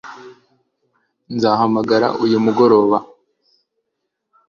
Ntazahamagara uyu mugoroba